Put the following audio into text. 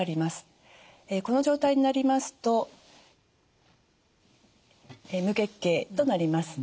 この状態になりますと無月経となります。